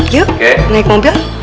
yuk naik mobil